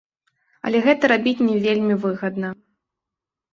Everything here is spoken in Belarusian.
Але гэта рабіць не вельмі выгадна.